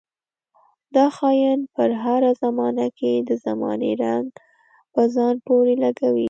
دا خاين پر هره زمانه کې د زمانې رنګ په ځان پورې لګوي.